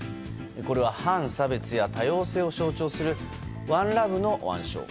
これは反差別や多様性を象徴する「ＯｎｅＬｏｖｅ」の腕章。